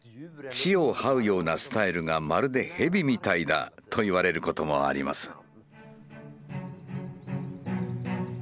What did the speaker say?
「地を這うようなスタイルがまるでヘビみたいだ」と言われることもあります。